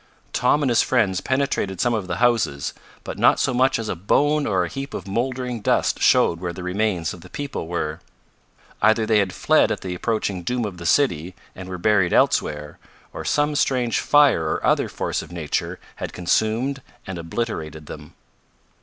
Tom and his friends penetrated some of the houses, but not so much as a bone or a heap of mouldering dust showed where the remains of the people were. Either they had fled at the approaching doom of the city and were buried elsewhere, or some strange fire or other force of nature had consumed and obliterated them.